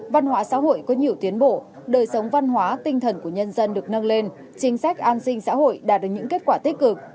văn hóa xã hội có nhiều tiến bộ đời sống văn hóa tinh thần của nhân dân được nâng lên chính sách an sinh xã hội đạt được những kết quả tích cực